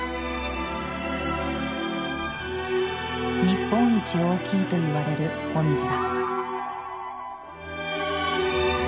日本一大きいといわれるモミジだ。